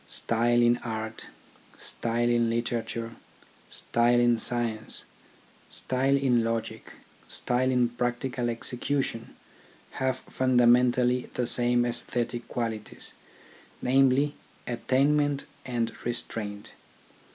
Style in art, style in litera ture, style in science, style in logic, style in practical execution have fundamentally the same aesthetic qualities, namely, attainment and re straint.